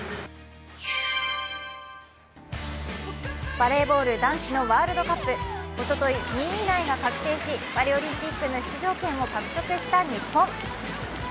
バレーボール男子のワールドカップおととい２位以内が確定し、パリオリンピックへの出場権を獲得した日本。